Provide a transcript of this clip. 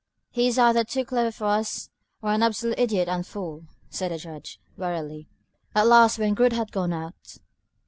"He is either too clever for us or an absolute idiot and fool," said the Judge, wearily, at last, when Groote had gone out.